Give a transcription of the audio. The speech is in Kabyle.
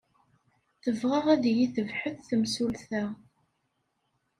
Tebɣa ad iyi-tebḥet temsulta.